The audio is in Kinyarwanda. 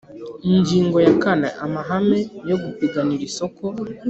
Ingingo ya kane Amahame yo gupiganira isoko